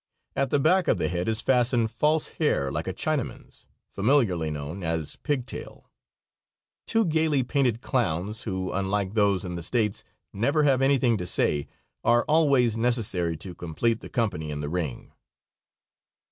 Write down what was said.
At the back of the head is fastened false hair, like a Chinaman's, familiarly known as "pig tail." Two gayly painted clowns, who, unlike those in the States, never have anything to say, are always necessary to complete the company in the ring.